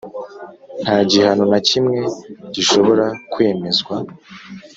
Nta gihano na kimwe gishobora kwemezwa